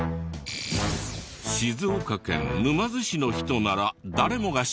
静岡県沼津市の人なら誰もが知っている菓子パン。